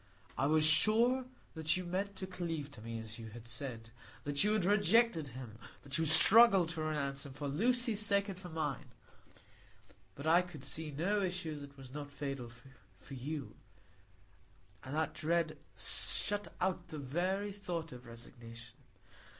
I was sure that you meant to cleave to me, as you had said; that you had rejected him; that you struggled to renounce him, for Lucy's sake and for mine. But I could see no issue that was not fatal for you; and that dread shut out the very thought of resignation.